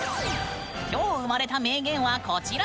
きょう生まれた名言はこちら！